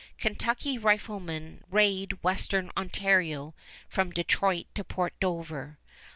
Kentucky riflemen raid western Ontario from Detroit to Port Dover.